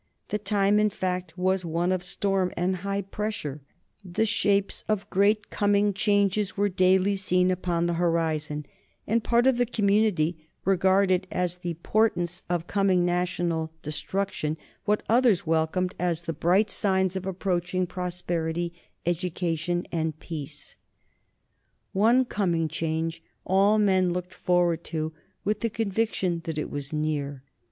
The time, in fact, was one of storm and high pressure. The shapes of great coming changes were daily seen upon the horizon, and part of the community regarded as the portents of coming national destruction what others welcomed as the bright signs of approaching prosperity, education, and peace. [Sidenote: 1830 Death of George the Fourth] One coming change all men looked forward to with the conviction that it was near.